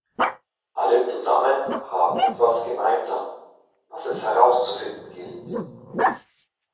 Alle zusammen haben etwas gemeinsam, was es herauszufinden gilt.